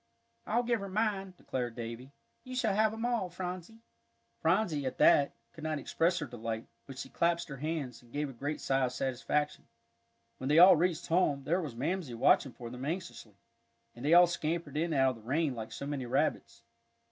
"I'll give her mine," declared Davie. "You shall have 'em all, Phronsie." Phronsie, at that, could not express her delight, but she clasped her hands, and gave a great sigh of satisfaction. When they all reached home, there was Mamsie watching for them anxiously. And they all scampered in out of the rain like so many rabbits.